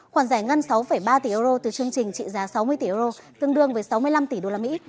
khoản giải ngân sáu ba tỷ euro từ chương trình trị giá sáu mươi tỷ euro tương đương với sáu mươi năm tỷ đô la mỹ